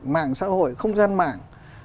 mạng xã hội không gian mạng